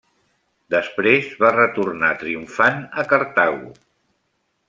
Després va retornar triomfant a Cartago.